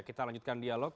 kita lanjutkan dialog